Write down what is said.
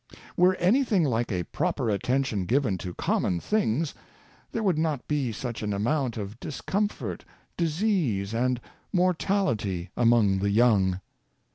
Were anything like a proper attention given to com mon things, there would not be such an amount of dis comfort, disease and mortality among the young.